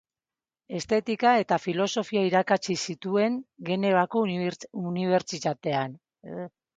Estetika eta Filosofia irakatsi zituen Genevako Unibertsitatean.